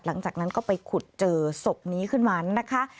หลังจากนั้นก็ไปขุดเจอศพนี้ขึ้นมานะคะ